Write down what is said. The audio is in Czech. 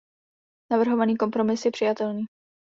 Navrhovaný kompromis je přijatelný.